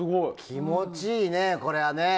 気持ちいいね、これはね。